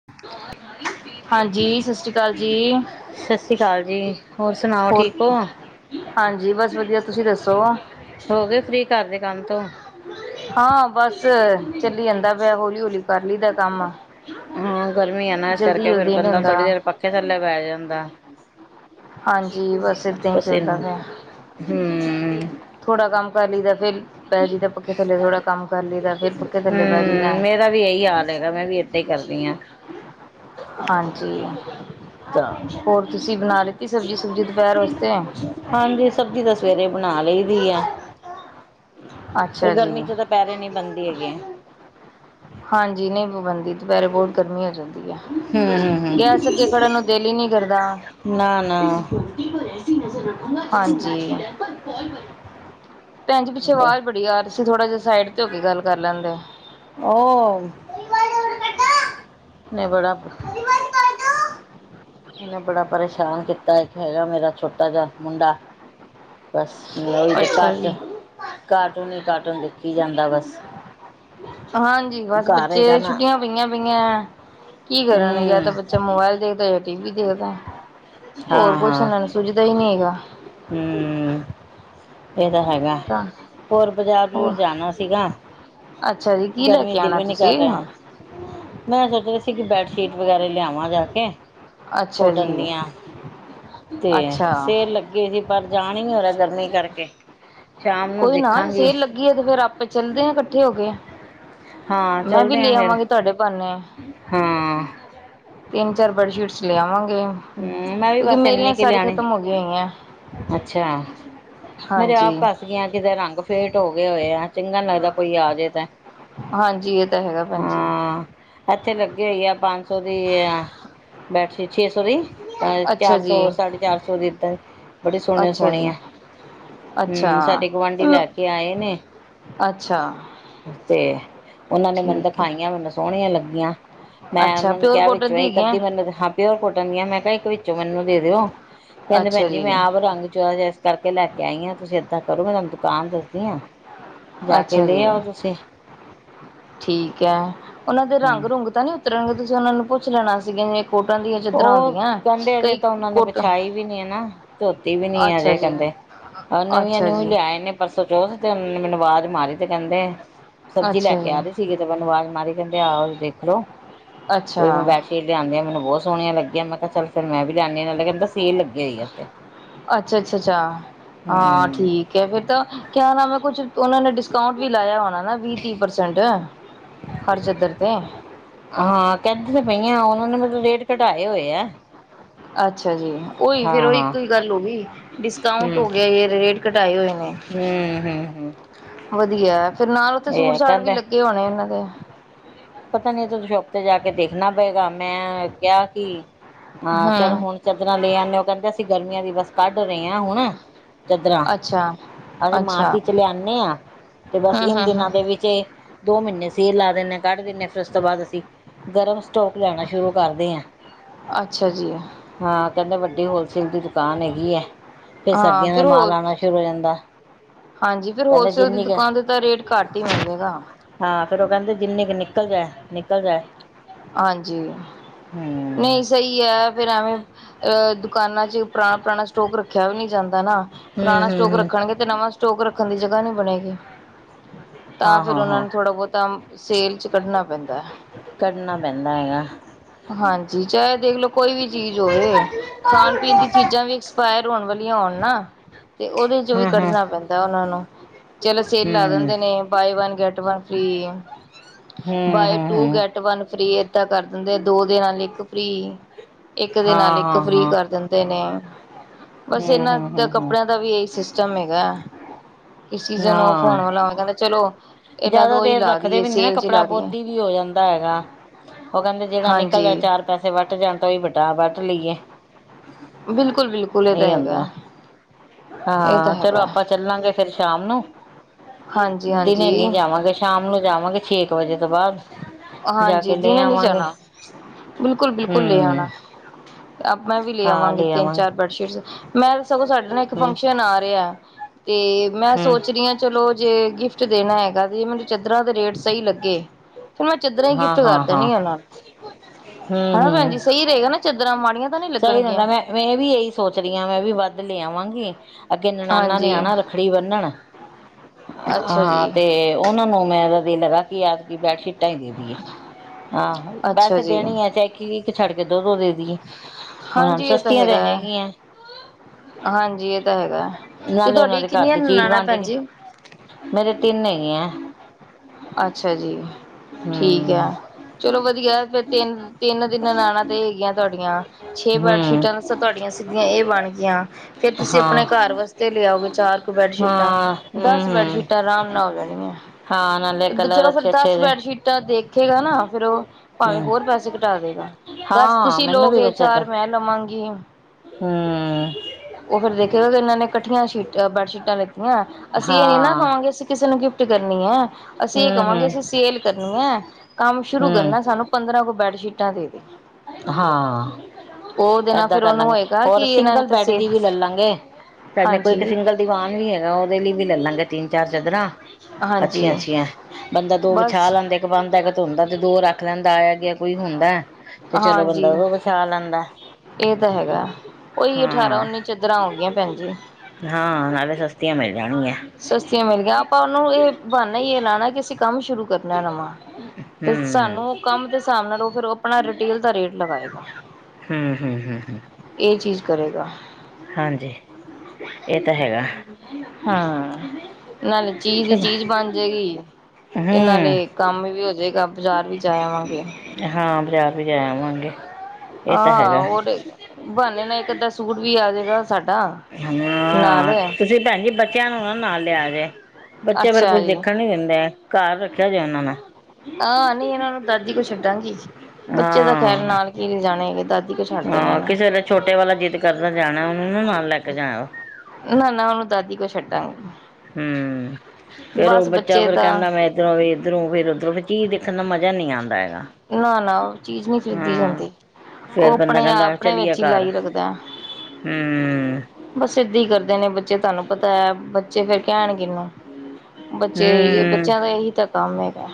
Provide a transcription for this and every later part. [inaudible] ਹਾਂਜੀ ਸਤਿ ਸ੍ਰੀ ਅਕਾਲ ਜੀ। ਸਤਿ ਸ਼੍ਰੀ ਅਕਾਲ ਜੀ ਹੋਰ ਸੁਣਾਓ ਹੋਰ ਠੀਕ ਹੋ। ਹਾਂਜੀ ਬਸ ਵਧੀਆ ਤੁਸੀਂ ਦੱਸੋ। ਹੋ ਗਏ ਫਰੀ ਕਾਰ ਦੇ ਕੰਮ ਤੋਂ? ਹਾਂ ਬਸ ਚੱਲੀ ਜਾਂਦਾ ਪੇਆ, ਹੌਲੀ-ਹੌਲੀ ਕਰ ਲਇਦਾ ਕੰਮ। ਹੂੰ ਗਰਮੀ ਐ ਨਾ ਏਸ ਜਲਦੀ ਕਰਕੇ ਫੇਰ ਜਲਦੀ ਨਹੀਂ ਬੰਦਾ ਹੁੰਦਾ ਥੋੜ੍ਹੀ ਦੇਰ ਪੱਖੇ ਥੱਲੇ ਬੇਹ ਜਾਂਦਾ। ਹਾਂਜੀ ਏਦਾਂ ਹੀ ਬਸ ਏਨਾ ਚੱਲਦਾ ਹੂੰ। ਥੋੜ੍ਹਾ ਕੰਮ ਕਰ ਲਈਦਾ ਫਿਰ ਪੈਜੀ ਦਾ ਪੱਖੇ ਥੱਲੇ ਥੋੜ੍ਹਾ ਕੰਮ ਕਰ ਲਈਦਾ ਫੇਰ ਪੱਖੇ ਥਲੇ ਪੈ ਜਿਦਾ। ਹਮ ਮੇਰਾ ਵੀ ਏਹੀ ਹਾਲ ਹੈਗਾ, ਮੈਂ ਵੀ ਏਦਾ ਹੀ ਕਰਦੀ ਆ। ਹਾਂਜੀ ਅੱਛਾ। ਹੋਰ ਤੁਸੀਂ ਬਣਾ ਲਿੱਤੀ ਸਬਜ਼ੀ ਸੁਬਜੀ ਦੁਪਹਿਰ ਵਾਸਤੇ ਹਾਂਜੀ ਸਬਜ਼ੀ ਤਾਂ ਸਵੇਰੇ ਬਣਾ ਲਈ ਦੀ ਏ। ਫਿਰ ਅੱਛਾ ਜੀ ਗਰਮੀ ਚ ਤਾਂ ਦਪੈਰੇ ਨੀ ਬਣਦੀ ਹੈਗੀ। ਹਾਂਜੀ ਨਈ ਬਾਬੰਦੀ। ਦੁਪੇਰੇ ਬੋਤ ਗਰਮੀ ਹੋ ਜਾਂਦੀ ਐ। ਹਮ ਹਮ ਗੈਸ ਅੱਗੇ ਖੜਨ ਨੂੰ ਦੇਲ ਈ ਨਈ ਕਰਦਾ। ਨਾ-ਨਾ। ਪਰ ਐਸੀ ਨਜ਼ਰ ਰਖੂਗਾ। ਹਾਂਜੀ, ਪੈਣ ਜੀ ਪਿੱਛੇ ਆਵਾਜ਼ ਬੜੀ ਆ ਰ। ਤੁਸੀ ਥੋੜ੍ਹਾ ਜੇਹਾ ਸਾਈਡ ਤੇ ਹੋ ਕੇ ਗੱਲ ਕਰ ਲੈਂਦੇ। ਓ ਨਈ ਬੜਾ। ਏਨੇ ਬੜਾ ਪਰੇਸ਼ਾਨ ਕੀਤਾ ਏਕ ਹੈਗਾ ਮੇਰਾ ਛੋਟਾ ਜੇਹਾ ਮੁੰਡਾ। ਬਸ [unintelligible] ਅੱਛਾ ਜੀ। ਕਾਰਟੂਨ ਹੀ ਕਾਰਟੂਨ ਦੇਖੀ ਜਾਂਦਾ ਬਸ। ਹਾਂਜੀ ਬਸ ਘਰ ਹੈਗਾ ਬੱਚੇ ਨਾ ਛੁੱਟੀਆਂ ਪਈਆਂ ਪਈਆਂ ਕੀ ਕਰਨ ਯਾਂ ਹਮ ਤਾਂ ਬੱਚਾ ਮੋਬਾਇਲ ਦੇਖਦਾ ਜਾਂ ਟੀ ਵੀ। ਦੇਖਦਾ ਹੋਰ ਹਾਂ ਕੁਛ ਹਾਂ ਏਨਾਂ ਨੂੰ ਸੁਝਦਾ ਹੀ ਨੀ ਹੈਗਾ। ਹਮ ਏਹ ਤਾਂ ਹੈਗਾ। ਤਾਂ ਹੋਰ ਬਾਜ਼ਾਰ ਹੋਰ ਬਜੂਰ ਜਾਣਾ ਸੀਗਾ। ਅੱਛਾ ਜੀ ਕੀ ਲੈ ਗਰਮੀ ਕੇ ਦਿਲ ਆਣਾ ਵੀ ਨੀ ਕਰ ਤੁਸੀਂ ਰੇਹਾ। ਮੈਂ ਸੋਚ ਰਹੀ ਸੀ ਕਿ ਬੈਡਸ਼ੀਟ ਵਗੈਰਾ ਲਿਆਵਾਂ ਜਾ ਕੇ। ਅੱਛਾ ਜੀ ਕੋਟਨ ਦੀਆਂ ਤੇ ਅੱਛਾ। ਸੇਲ ਲਗੀ। ਗੀ ਦੀ ਪਰ ਜਾਣ ਹੀ ਹੋ ਰਿਹਾ ਗਰਮੀ ਕਰਕੇ। ਸ਼ਾਮ ਨੂੰ ਕੋਈ ਨਾ ਜੇ ਦੇਖਾਂਗੀ ਸੇਲ ਲੱਗੀ ‌ਐ‌ ਤੇ ਫੇਰ ਆਪੇ ਚੱਲਦੇ ਆ ਕੱਠੇ ਹੋ ਕੇ। ਹਾਂ ਮੈਂ ਵੀ ਚੱਲਦੇ ਆ ਲੈ ਫੇਰ। ਆਵਾਂਗੀ ਤੁਹਾਡੇ ਬਹਾਨੇ ਹੂੰ। ਤਿੰਨ-ਚਾਰ ਬੈਡਸ਼ੀਟਸ ਲਿਆਵਾਂਗੇ। ਮੈਂ ਵੀ ਕਿਉਂਕਿ ਬਸ ਇੰਨੀ ਮੇਰੀਆਂ ਕੁ ਸਾਰੀ ਲਿਆਣੀ ਖਤਮ ਹੋ ਗਈ ਹੋਈਆਂ ਅੱਛਾ ਹਾਂਜੀ। ਮੇਰੇ ਆਪ ਕੱਸ ਗਿਆਂ ਕਿਤੇ ਰੰਗ ਫੇਟ ਹੋ ਗਏ ਹੋਏ ਆ। ਚੰਗਾ ਨੀ ਲੱਗਦਾ ਕੋਈ ਆ ਜੇ ਤੈਂ ਹਾਂਜੀ ਇਹ ਤਾਂ ਹੈਗਾ ਭੈਣ ਜੀ ਹਾਂ। ਏਥੇ ਲੱਗੀ ਹੋਈ ਆ ਪੰਜ ਸੌ ਦੀ ਆ, ਬੈਡਸ਼ੀਟ ਛੇ ਸੌ ਦੀ। ਅ ਅੱਛਾ ਚਾਰ ਜੀ ਸੌ, ਸਾਢੇ ਚਾਰ ਸੌ ਦੀ ਏਦਾਂ ਬੜੀ ਅੱਛਾ ਜੀ ਸੋਹਣੀ-ਸੋਹਣੇ ਆ। ਅੱਛਾ ਹੂੰ ਸਾਡੇ ਗੁਆਂਢੀ ਲੈ ਕੇ ਆਏ ਨੇ। ਅੱਛਾ ਤੇ ਓਨਾ ਨੇ ਮੈਨੂੰ ਠੀਕ ਹੈ ਦਿਖਾਈਆਂ ਮੈਨੂੰ ਸੋਹਣੀਆਂ ਲੱਗੀਆਂ। ਮੈਂ ਅੱਛਾ ਓਨਾ ਨੂੰ ਪਿਓਰ ਕਿਹਾ ਕੋਟਨ ਵਿੱਚੋਂ ਦੀ ਏਕ ਹੈਗੀਆਂ ਅਧੀ ਵਾਰ ਮੈਨੂੰ ਹ ਦਖਾ ਪਿਓ ਕੋ। ਕੇਣੀ ਮੈਂ ਕਿਹਾ ਏਕ ਵਿੱਚੋਂ ਮੈਨੂੰ ਦੇ ਦਿਓ ਕੇਦੇ ਅੱਛਾ ਪੈਣਜੀ ਮੈਂ ਜੀ ਆਪ ਰੰਗ ਚੁ ਜਿ। ਕਰਕੇ ਲੈ ਕੇ ਆਈ ਆ, ਤੁਸੀਂ ਏਦਾਂ ਕਰੋ ਮੈਂ ਤੁਆਨੂੰ ਦੁਕਾਨ ਦੱਸਦੀ ਆ। ਅੱਛਾ ਜੀ ਠੀਕ ਐ, ਓਨਾ ਦੇ ਹੂੰ ਰੰਗ ਰੂੰਗ ਤਾਂ ਨੀ ਤਰਗੇ ਤੁਸੀਂ ਓਨਾ ਨੂੰ ਪੁੱਛ ਲੈਣਾ ਸੀਗੇ। ਓ ਕੇਦੇ ਅਜੇ ਤਾਂ ਓਨਾਂ ਨੇ ਕੋਟ ਵਿਛਾਈ ਵੀ ਨੀ ਐ ਨਾ ਧੋਤੀ ਵੀ ਨੀ ਐ ਅੱਛਾ ਅਜੇ ਜੀ ਕੇਦੇ। ਅ ਨਵੀਆਂ ਅੱਛਾ ਨਿਓ ਈ ਜੀ ਲਿਆਏ ਨੇ। ਪਰਸੋ ਚੋਥ ਤੇ ਓਨੇ ਮੈਨੂੰ ਵਾਜ਼ ਮਾਰੀ ਤੇ ਕੈਂਦੇ ਅੱਛਾ ਸਬਜ਼ੀ ਲੈ ਕੇ ਜੀ ਆ ਰੀ ਸ ਸੀਗੇ ਤੇ ਮੈਨੂੰ ਵਾਜ਼ ਮਾਰੀ ਕੈਂਦੇ ਆਓ ਦੇਖੋ ਅੱਛਾ ਅੱਛਾ ਫੇਰ ਮੈਂ ਬੈਡਸ਼ੀਟ ਲਿਆਂਦੀ ਆਾ ਮੈਨੂੰ ਬੌਤ ਸੋਣੀਆਂ ਲੱਗੀਆਂ ਮੈਂ ਕਿਆ ਚੱਲ ਫੇਰ ਮੈਂ ਵੀ ਲਿਆਨੀ ਆ ਨਾਲੇ ਕੈਂਦਾ ਸੇਲ ਲੱਗੀ ਹੋਈ ਆ ਉੱਥੇ ਅੱਛ ਅੱਛ ਅੱਛਾ ਹਾਂ ਹੂੰ ਠੀਕ। ਤੇ ਫਿਰ ਤਾਂ ਕਿਆ ਮੈਂ ਕੁੱਛ ਓਨਾ ਨੇ ਡਿਸਕਾਉਂਟ ਵੀ ਲਾਇਆ ਹੋਣਾ ਨਾ ਵੀਹ ਤੀਹ ਪਰਸੈਂਟ। ਹਰ ਚੱਧਰ ਤੇ। ਹਾਂ ਕਹਿੰਦੀ ਤੇ ਪਈਆਂ ਓਨਾਂ ਨੇ ਮਤਲ ਰੇਟ ਘਟਾਏ ਹੋਏ ਆ। ਅੱਛਾ ਜੀ ਓਈ ਹਾਂ ਫੇਰ ਓਈ ਹਾਂ ਇੱਕੋ ਈ ਗੱਲ ਹੋ ਗਈ ਡਿਸਕਾਉਂਟ ਹੂੰ ਹੋ ਗਿਆ ਜੇ ਰੇਟ ਘਟਾਏ ਹੋਏ ਨੇ ਹੂੰ ਹੂੰ ਹੂੰ ਵਧੀਆ ਫੇਰ ਨਾਲ ਓਥੇ ਇਹ ਸੂਟ ਹੈ ਸਾਟ ਵੀ ਕਹਿੰਦੇ ਲੱਗੇ ਲਗੇ ਹੋਣੇ ਏਨਾਂ ਦੇ। ਪਤਾ ਨੀ ਤੁ ਸ਼ੋਪ ਤੇ ਜਾ ਕੇ ਦੇਖਣਾ ਪਏਗਾ ਮੈਂ ਕਿਆ ਕਿ ਹਾਂ ਚੱਲ ਹਮ ਹੁਣ ਚਾਦਰਾਂ ਲੇ ਆਨੇ ਓ ਕੈਂਦੇ ਅਸੀਂ ਗਰਮੀਆਂ ਦੀ ਬਸ ਕੱਢ ਰਏ ਆ ਹੁਣ। ਚਦਰਾਾਂ ਅੱਛਾ ਅਸੀਂ ਮਾਰਚ ਅੱਛਾ ਇਚ ਲਿਆਨੇ ਆਂ ਤੇ ਬਸ ਹਮ ਇਨ ਹਮ ਦਿਨਾਂ ਹਮ ਦੇ ਵਿੱਚ ਦੋ ਮੀਨੇ ਸੇਲ ਲਾ ਦੇਨੇ ਆਂ ਕੱਢ ਦੇਨੇ ਆਂ ਫਿਰ ਉਸ ਤੋਂ ਬਾਅਦ ਅਸੀਂ ਗਰਮ ਸਟੋਕ ਲੈਣਾ ਸ਼ੁਰੂ ਕਰਦੇ ਆਂ। ਅੱਛਾ ਜੀ ਹਾਂ ਕੈਂਦਾ ਵੱਡੀ ਹੋਲਸੇਲ ਦੀ ਦੁਕਾਨ ਹੈਗੀ ਐ। ਫਿਰ ਹਾਂ ਸਰਦੀਆਂ ਦਾ ਫਿਰ ਮਾਲ ਹੋਰ ਆਣਾ ਸ਼ੁਰੂ ਹੋ ਜਾਂਦਾ। ਹਾਂਜੀ ਫਿਰ ਕਹਿੰਦੇ ਹੋਲਸੇਲ ਦੀ ਜਿੰਨੀ ਕੁ ਦੁਕਾਨ ਤੇ ਤਾਂ ਰੇਟ ਘੱਟ ਹੀ ਮਿਲੇਗਾ। ਹਾਂ ਫੇਰ ਓ ਕੈਂਦੇ ਜਿੰਨੀੇ ਕੁ ਨਿਕਲ ਜਾਏ ਨਿਕਲ ਜਾਏ। ਹਾਂਜੀ ਹਮ ਨਈ ਸਈ ਐ ਫਿਰ ਐਵੇਂ ਅ ਦੁਕਾਨਾਂ ਚ ਪੁਰਾਣਾ, ਪੁਰਾਣਾ ਸਟੋਕ ਰੱਖਿਆ ਵੀ ਨੀ ਜਾਂਦਾ ਨਾ ਪੁਰਾਣਾ ਹਮ ਹਮ ਸਟੋਕ ਹਮ ਰੱਖਣਗੇ ਤੇ ਨਵਾਂ ਸਟੋਕ ਰੱਖਣ ਦੀ ਜਗ੍ਹਾ ਨੀ ਬਣੇਗੀ ਤਾਂ ਹਾਂ ਫਿਰ ਹਾਂ ਓਨਾਂ ਹਾਂ ਨੂੰ ਥੋੜ੍ਹਾ ਬਹੁਤਾ ਸੇਲ ਚ ਕੱਢਣਾ ਪੈਂਦੈ। ਕਡਨਾ ਪੈਂਦਾ ਹੈਗਾ। ਹਾਂਜੀ ਚਾਏ ਦੇਖਲੋ। ਕੋਈ ਵੀ ਚੀਜ਼ ਹੋਵੇ ਖਾਣ ਪੀਣ ਦੀ ਚੀਜ਼ਾਂ ਵੀ ਐਕਸਪਾਇਰ ਹੋਣ ਵਾਲੀਆਂ ਹੋਣ ਨਾ ਤੇ ਓਦੇ ਚੋ ਵੀ ਹਮ ਹਮ ਕੱਢਣਾ ਪੈਂਦਾ ਓਨਾ ਨੂੰ ਚਲੋ ਸੇਲ ਲਾ ਹਮ ਦਿੰਦੇ ਨੇ। Buy one get one free ਹਮ ਬਾਏ ਹਮ ਟੂ ਹਮ ਗੈਟ ਵਨ ਫਰੀ ਏਦਾਂ ਕਰ ਦਿੰਦੇ ਐ ਦੋ ਦੇ ਨਾਲ ਇੱਕ ਫ੍ਰੀ ਇੱਕ ਦੇ ਨਾਲ ਹਾਂ ਇੱਕ ਹਾਂ ਫ੍ਰੀ ਹਾਂ ਕਰ ਦਿੰਦੇ ਨੇ ਬਸ ਹਮ ਇਨਾਂ ਹਮ ਦਾ ਹਮ ਹਮ ਕੱਪੜਿਆਂ ਦਾ ਵੀ ਇਈ ਸਿਸਟਮ ਹੈਗਾ। ਸੀਜ਼ਨ ਓਫ ਹਾਂ ਹੋਣ ਵਾਲਾ ਹੋਏਗਾ ਤੇ ਚਲੋ ਚਲੋ। ਜ਼ਿਆਦਾ ਦੇਰ ਰੱਖਦੇ ਵੀ ਨੀ ਨਾ ਕੱਪੜਾ ਬੋਦੀ ਕੀ ਹੋ ਜਾਂਦਾ ਹੈਗਾ ਓ ਕੈਂਦੇ ਜੇੜਾ ਨਿਕਲ ਜਾ ਹਾਂਜੀ ਚਾਰ ਪੈਸੇ ਵੱਟ ਜਾਣ ਤਾਂਈ ਵਟਾ ਵੱਟ ਲਈਏ। ਬਿਲਕੁਲ-ਬਿਲਕੁਲ ਇਹ ਤਾਂ ਏ ਹੁੰਦੈ ਹੈਗਾ, ਇਹ ਤਾਂ ਹਾਂ ਚਲੋ ਹੈਗਾ। ਆਪਾਂ ਚੱਲਾਂਗੇ ਫੇਰ ਸ਼ਾਮ ਨੂੰ ਦਿਨੇ ਹਾਂਜੀ-ਹਾਂਜੀ, ਨੀ। ਹਾਂਜੀ ਸ਼ਾਮ ਨੂੰ ਜਾਵਾਂਗੇ ਛੇ ਕੁ ਵਜੇ ਤੋਂ ਬਾਅਦ। ਜਾ ਹਾਂਜੀ ਕੇ ਲੈ ਦਿਨੇ ਨੀ ਆਵਾਂਗੇ ਜਾਣਾ ਬਿਲਕੁਲ, ਬਿਲਕੁਲ ਲੇ ਹੂੰ ਆਣਾ। ਅਬ ਮੈਂ ਵੀ ਲੇ ਹਾਂ ਆਵਾਂਗੀ ਲੈ ਤਿੰਨ ਚਾਰ ਆਵਾਂਗੇ ਬੈਡਸ਼ੀਟਸ। ਮੈਂ ਤੇ ਸਗੋਂ ਸਾਡੇ ਨਾ ਇੱਕ ਹੂੰ ਫੰਕਸ਼ਨ ਆ ਰੇਆ। ਤੇ ਮੈਂ ਹੂੰ ਸੋਚ ਰੀ ਆਂ ਚਲੋ ਜੇ ਗਿਫਟ ਦੇਣਾ ਹੈਗਾ ਤੇ ਮੈਨੂੰ ਚਦਰਾਂ ਦੇ ਰੇਟ ਸਈ ਲੱਗੇ। ਫਿਰ ਮੈਂ ਚਦਰਾਂ ਹੀ ਗਿਫਟ ਹਾਂ ਕਰ ਹਾਂ ਹਾਂ ਦੇਣੀ ਆ ਓਨਾਂ ਨੂੰ ਹੂੰ ਹਨਾ ਭੈਣ ਹੂੰ ਜੀ ਸਈ ਰਏਗਾ ਨਾ ਚਦਰਾਂ ਮਾੜੀਆਂ ਤਾਂ ਨੀ ਸਹੀ [unintelligible] ਲੱਗਣਗੀਆਂ। ਰਦਾ ਮੈਂ ਮੈਂ ਵੀ ਇਹੀ ਸੋਚ ਰਹੀ ਆਂ ਮੈਂ ਵੀ ਵੱਧ ਲੈ ਆਵਾਂਗੀ ਅੱਗੇ ਨਣਾਨਾ ਨੇ ਹਾਂਜੀ, ਆਣਾ ਰੱਖ ਰੱਖੜੀ ਬੰਨਣ ਅੱਛਾ ਹਾਂ ਜੀ, ਤੇ ਓਨਾਂ ਨੂੰ ਮੈਂ ਦਾ ਦਿਲ ਹੇਗਾ ਕਿ ਐਦਕੀ ਬੈਡਸ਼ੀਟ ਟ ਦੇ ਦੀਏ ਹਾਂ ਅੱਛਾ ਵੈਸੇ ਜੀ, ਦੇਣੀ ਹੀ ਹੈ ਕੀ ਇੱਕ ਛੱਡ ਕੇ ਦੋ-ਦੋ ਦੇ ਦੀਈਏ। ਹੁਣ ਹਾਂਜੀ ਇਹ ਤਾਂ ਸਸਤੀਆਂ ਤੇ ਹੈਗਾ ਹੈ। ਹੈਗੀਆਂ। ਹਾਂਜੀ ਇਹ ਤਾਂ ਹੈਗਾ ਤੇ ਨਾਲੇ ਉਹਨਾਂ ਤੁਹਾਡੀ ਦੇ ਘਰ ਕਿੰਨੀਆਂ ਦੀ ਚੀਜ਼ ਨਨਾਣਾਂ ਬਣ ਭੈਣ ਜਾਏਗੀ। ਜੀ ਮੇਰੇ ਤਿੰਨ ਹੈਗੀਆਂ। ਅੱਛਾ ਜੀ ਠੀਕ ਹੂੰ ਹੈ ਚਲੋ ਵਧੀਆ ਫੇਰ ਤਿੰਨ-ਤਿੰਨ ਦਿਨ ਆਉਣਾ ਹੈਗੀਆਂ ਤੁਹਾਡੀਆਂ ਛੇ ਬੈਡ ਹੂੰ ਸ਼ੀਟਾਂ ਤੁਹਾਡੀਆਂ ਸਿੱਧੀਆਂ ਇਹ ਬਣ ਗਈਆ। ਫੇਰ ਤੁਸੀਂ ਹਾਂ ਆਪਣੇ ਘਰ ਵਾਸਤੇ ਲਿਆਓਗੇ ਚਾਰ ਕੁ ਬੈਡਸ਼ੀਟਾਂ। ਹਾਂ ਦਸ ਹੂੰ ਹੂੰ ਬੈਡਸ਼ੀਟਾਂ ਆਰਾਮ ਨਾਲ ਹੋ ਜਾਣੀਆਂ। ਹਾਂ ਨਾਲੇ ਕਲਰ ਚਲੋ ਫਿਰ ਅੱਛੇ ਅੱਛੇ ਦਸ ਦੇ ਬੈਡਸ਼ੀਟਾਂ ਦੇਖੇਗਾ ਨਾ ਫੇਰ ਉਹ ਭਾਵੇਂ ਹੂੰ ਹੋਰ ਪੈਸੇ ਕਟਾ ਦੇਗਾ। ਦੱਸ ਹਾਂ ਤੁਸੀਂ ਮੈਨੂੰ ਵੀ ਲੋਗੇ ਬੱਚਤ ਹੈ ਚਾਰ ਮੈਂ ਲਵਾਂਗੀ। ਹੂੰ ਉਹ ਫਿਰ ਦੇਖੇ ਇਹਨਾਂ ਨੇ ਇਕੱਠੀਆਂ ਸ਼ੀਟ ਬੈਡਸ਼ੀਟਾਂ ਲਿੱਤੀਆਂ ਅਸੀਂ ਇਹ ਨੀ ਨਾ ਹਾਂ ਕਵਾਂਗੇ ਅਸੀਂ ਕਿਸੇ ਨੂੰ ਗਿਫਟ ਕਰਨੀਆ ਅਸੀਂ ਇਹ ਹੂੰ ਕਹਾਂਗੇ ਹੂੰ ਅਸੀਂ ਸੇਲ ਕਰਨੀਆ ਕੰਮ ਸ਼ੁਰੂ ਕਰਨਾ ਹੂੰ ਸਾਨੂੰ ਪੰਦਰਾਂ ਕੁ ਬੈਡਸ਼ੀਟਾਂ ਦੇਦੇ। ਹਾਂ ਨਾਲ ਏਦਾ ਫਿਰ ਕਰ ਉਹਨੂੰ ਲਾਂਗੇ, ਹੋਏਗਾ ਹੋਰ ਕਿ ਇਹਨਾਂ ਨੇ ਸਿੰਗਲ ਤਾਂ ਬੈਡ ਸੇ ਦੀ ਵੀ ਲਲਾਂਗੇ ਸਾਡੇ ਕੋਲ ਇੱਕ ਹਾਂਜੀ ਸਿੰਗਲ ਦੀਵਾਨ ਵੀ ਹੈਗਾ, ਉਹਦੇ ਲਈ ਵੀ ਲੈ ਲਾਂਗੇ ਤਿੰਨ ਚਾਰ ਚਾਦਰਾ। ਹਾਂਜੀ ਅੱਛੀਆਂ-ਅੱਛੀਆਂ ਬੰਦਾ ਦੋ ਵਿਛਾ ਬਸ ਲਾਦੇ ਬੰਦਾ ਇੱਕ ਧੋਂਦਾ ਤੇ ਦੋ ਰੱਖ ਲੈਂਦਾ, ਆਇਆ ਗਿਆ ਕੋਈ ਹੁੰਦਾ ਤੇ ਚਲੋ ਹਾਂਜੀ ਬੰਦਾ ਉਹ ਵਿਛਾਂ ਲੈਂ ਇਹ ਤਾਂ ਹੈਗਾ, ਉਹੀ ਹਾਂ। ਅਠਾਰਾਂ-ਉੱਨੀ ਚੱਦਹੋ ਰਾਂ ਗਈਆਂ ਭੈਣ ਜੀ। ਹਾਂ ਨਾਲੇ ਸਸਤੀਆਂ ਮਿਲ ਜਾਣਗੀਆਂ। ਸਸਤੀਆਂ ਮਿਲ ਗਈਆ ਆਪਾਂ ਉਹਨੂੰ ਇਹ ਬਾਨਾ ਹੀਈ ਲਾਣਾ ਕਿ ਅਸੀਂ ਕੰਮ ਸ਼ੁਰੂ ਕਰਨਾ ਨਵਾਂ ਤੇ ਹੂੰ। ਸਾਨੂੰ ਉਹ ਹੂੰ ਕੰਮ ਤੇ ਹਿਸਾਬ ਨਾਲ ਫਿਰ ਆਪਣਾ ਰਿਟੇਲ ਦਾ ਰੇਟ ਲਗਾਏਗਾ। ਹੂੰ-ਹੂੰ, ਹੂੰ-ਹੂੰ, ਹੂੰ ਏ ਚੀਜ਼ ਕਰੇਗਾ। ਹਾਂਜੀ, ਇਹ ਤਾਂ ਹੈਗਾ। ਹਾਂ ਨਾਲੇ ਚੀਜ਼ ਦੀ ਚਲੋ ਚੀਜ਼ ਬਣ ਜਾਏਗੀ। ਤੇ ਹੂੰ ਨਾਲੇ ਕੰਮ ਵੀ ਹੋ ਜਏਗਾ, ਬਜ਼ਾਰ ਵੀ ਜਾ ਆਵਾਂਗੇ। ਹਾਂ, ਬਜਾਰ ਵੀ ਜਾ ਆਵਾਂਗੇ। ਇਹ ਤਾਂ ਆਂ ਹੈਗਾ ਉ ਏ ਬਾਨੇ ਨਾ ਇੱਕ ਅੱਧਾ ਸੂਟ ਵੀ ਆ ਜਾਏਗਾ ਸਾਡਾ। ਹਨ ਨਾਲ [inaudible] ਤੁਸੀਂ ਭੈਣ ਜੀ ਬੱਚਿਆਂ ਨੂੰ ਨਾ ਨਾਲ ਲਿਆ ਜੇ ਬੱਚੇ ਫਿਰ ਅੱਛਾ ਕੁੱਝ ਜੀ ਦੇਖਣ ਨੀ ਦਿੰਦੇ। ਘਰ ਰੱਖਿਆ ਜੇ ਉਹਨਾਂ ਨੂੰ। ਆ ਨਈ ਇਹਨਾਂ ਨੂੰ ਦਾਦੀ ਕੋ ਛੱਡਾਂਗੀ। ਬੱਚੇ ਤਾਂ ਖੈਰ ਹਾਂ ਨਾਲ ਕੀ ਲਿਜਾਣੇ ਹੈਗੇ ਦਾਦੀ ਕੋਲ ਛੱਡ ਦੇਣੇ ਹਾਂ ਨੇ ਕਿਸੇ ਵੇਲੇ ਛੋਟੇ ਵਾਲਾ ਜਿੱਦ ਕਰਦਾ ਜਾਣਾ ਉਹਨੂੰ ਨਾ ਨਾਲ ਲੈ ਕੇ ਜਾਣਾ। ਨਾ-ਨਾ ਉਹਨੂੰ ਦਾਦੀ ਕੋ ਛੋ ਹੂੰ ਫੇਰ ਉਹ ਬਸ ਬੱਚਾ ਬੱਚੇ ਫੇਰ ਤਾਂ ਕਹਿੰਦਾ ਮੈਂ ਇਧਰੋਂ ਵੇ-ਇਧਰੋਂ ਵੇ ਫਿਰ ਉਧਰੋਂ ਚੀਜ਼ ਦੇਖਣ ਦਾ ਮਾਜਾ ਨੀ ਆਉਂਦਾ ਹੈਗਾ। ਨਾ ਨਾ ਉਹ ਚੀਜ਼ ਨਹੀਂ ਖਰੀਦੀ ਹਾਂ ਜਾਂਦੀ ਉਹ ਫੇਰ ਬੰਦਾ ਆਪਣੇ ਕਹਿੰਦਾ ਆਪਣੇ ਚੱਲੀਏ ਵਿੱਚ ਹੀ ਘਰ। ਲਾਈ ਰੱਖਦਾ ਹੂੰ ਬਸ ਏਦਾਂ ਹੀ ਕਰਦੇ ਨੇ ਬੱਚੇ ਤੁਹਾਨੂੰ ਪਤਾ ਹੈ ਬੱਚੇ ਫੇਰ ਕਹਿਣ ਕਿਹਨੂੰ। ਬੱਚੇ ਏ ਹੀ ਏ ਬੱਚਿਆਂ ਦਾ ਇਹੀ ਤਾਂ ਕੰਮ ਹੈਗਾ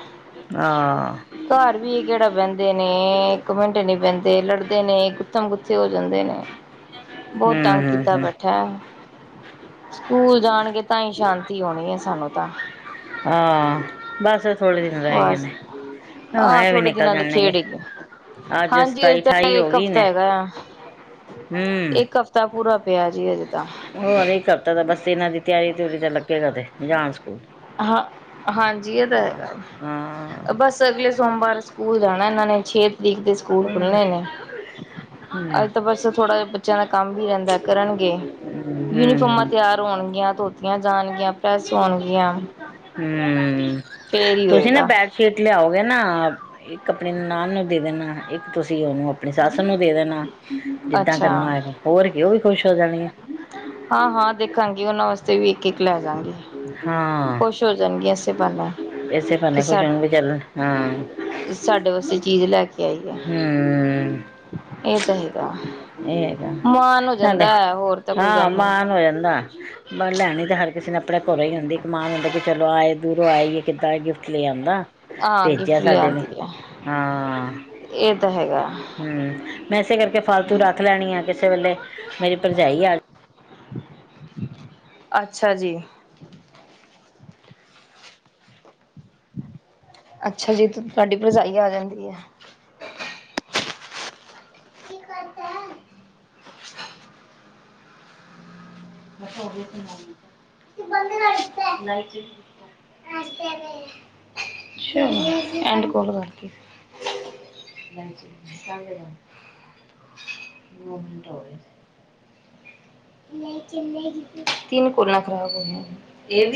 ਹਾਂ ਘਰ ਵੀ ਕਿਹੜਾ ਬਹਿੰਦੇ ਨੇ ਇੱਕ ਮਿੰਟ ਨੀ ਬਹਿੰਦੇ ਲੜਦੇ ਨੇ ਗੁੱਤਮ-ਗੁੱਤੀ ਹੋ ਜਾਂਦੇ ਨੇ। ਹੂੰ ਬੋਤ ਤੰਗ ਹੂੰ ਕੀਤਾ ਹੂੰ, ਬੈਠਾ। ਸਕੂਲ ਜਾਣਗੇ ਤਾਂ ਈ ਸ਼ਾਂਤੀ ਹੋਣੀ ਹੈ ਸਾਨੂੰ ਤਾਂ ਹਾਂ ਬਸ ਥੋੜੇ ਦਿਨ ਰਹਿ ਗਏ ਬਸ, ਨੇ ਹਾਂ ਆਹ ਇਹ ਵੀ ਥੋੜੇ ਨਿਕਲ ਦਿਨਾਂ ਦੀ ਖੇਡ ਜਾਣਗੇ। ਏ ਅੱਜ ਹਾਂਜੀ, ਸਤਾਈ ਅਜੇ ਤਾਂ ਅਠਾਈ ਹੋ ਇੱਕ ਗਈ ਨੇ ਹਫ਼ਤਾ ਹੈਗਾ ਆ ਹਮ ਇੱਕ ਹਫ਼ਤਾ ਪੂਰਾ ਪਿਆ ਜੀ ਅਜੇ ਤਾ ਹੋਰ ਇੱਕ ਹਫਤਾ ਤਾ ਬਸ ਏਨਾ ਦੀ ਤਿਆਰੀ ਤਉਰੀ ਤੇ ਲਗੇ ਰਵੇ ਜਾਣ ਸਕੂਲ ਹਾਂ, ਹਾਂਜੀ ਏ ਤਾਂ ਹੈਗਾ ਹਾਂ ਵਾ, ਬਸ ਅਗਲੇ ਸੋਮਵਾਰ, ਸਕੂਲ ਜਾਣਾ ਏ ਨਾਂ ਨੇ, ਛ ਤਰੀਕ ਦੇ ਸਕੂਲ ਹੂੰ। ਖੁੱਲਣੇ ਨੇ। ਅੱਜ ਤਾਂ ਬਸ ਥੋੜਾ ਜਾ ਬੱਚੇਆਂ ਦਾ ਕੰਮ ਵੀ ਰੈਦਾ, ਕਰਨਗੇ ਯੂਨੀਫੋਮਾਂ ਤਿਆਰ ਹੋਣਗੀਆਂ, ਧੋਤੀਆਂ ਜਾਣਗੀਆਂ, ਪ੍ਰੈਸ ਹੋਣਗੀਆਂ। ਹੂੰ, ਫੇਰ ਹੀ ਤੁਸੀਂ ਨਾ ਹੋਏਗਾ ਬੈਡਸ਼ੀਟ ਲਿਆਓਗੇ ਨਾ ਇੱਕ ਆਪਣੀ ਨਨਾਨ ਨੂੰ ਦੇ ਦੇਣਾ, ਇੱਕ ਤੁਸੀਂ ਉਨੂੰ ਆਪਣੀ ਸੱਸ ਨੂੰ ਦੇ ਦੇਣਾ। ਜਿੱਦਾਂ ਅੱਛਾ ਕਰਨਾ ਹੋਏਗਾ, ਹੋਰ ਓ ਵੀ ਖੁਸ਼ ਹੋ ਜਾਣਗੀਆਂ। ਹਾਂ-ਹਾਂ ਦੇਖਾਂਗੀ ਓਨਾ ਵਾਸਤੇ ਵੀ ਇੱਕ-ਇੱਕ ਲੈ ਜਾਗੀ। ਹਾਂ। ਖੁਸ਼ ਹੋ ਜਾਣਗੀਆਂ, ਏਸੇ ਬਾਨੇ ਇਸੇ ਕਿ ਬਹਾਨੇ ਖੁਸ਼ ਸਾਡ ਹੋਣਗੇ ਚੱਲ ਹਾਂ ਸਾਡੇ ਵਾਸਤੇ, ਚੀਜ਼ ਲੈ ਕੇ ਆਈ ਐ। ਹੂੰ। ਏ ਤਾਂ ਹੈਗਾ। ਏ ਮਾਣ ਹੋ ਹੈਗਾ ਜਾਂਦਾ ਹੈ ਹੋਰ ਤਾਂ ਕੋਈ ਹਾਂ ਗੱਲ ਨਹੀਂ ਮਾਣ ਹੋ ਜਾਂਦਾ। ਲੈਣੇ ਤੇ ਹਰ ਕਿਸੇ ਨੇ ਆਪਣਾ ਘਰੇ ਈ ਹੁੰਦੇ ਇੱਕ ਮਾਨ ਹੁੰਦਾ ਕਿ ਚਲੋ ਆਏ ਦੂਰੋਂ ਆਈਏ ਕਿੱਦਾਂ ਗਿਫਟ ਲੈ ਆਂਦਾ। ਹਾਂ ਭੇਜਿਆ ਗਿਫਟ ਸਾਡੇ ਨੇ ਲਿਆਂਦੀ ਹੈ। ਹਾਂ। ਇਹ ਤਾਂ ਹੈਗਾ ਹੂੰ, ਮੈਂ ਏਸੇ ਕਰਕੇ ਫਾਲਤੂ ਰੱਖ ਲੈਣੀ ਆ ਕਿਸੇ ਵੇਲੇ ਮੇਰੀ ਭਰਜਾਈ ਆ ਅੱਛਾ ਜੀ। ਅੱਛਾ ਜੀ, ਤੁਆਡੀ ਭਰਜਾਈ ਆ ਜਾਂਦੀ ਐ। [inaudible] [inaudible] ਅੱਛਾ, ਐਂਡ ਕੋਲ ਰੱਖਕੇ। [inaudible] [inaudible]